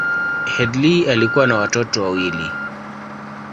Headlee alikuwa na watoto wawili.